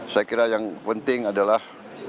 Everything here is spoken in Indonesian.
saya kira yang penting adalah